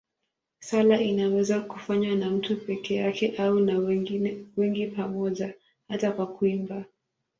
Sala inaweza kufanywa na mtu peke yake au na wengi pamoja, hata kwa kuimba.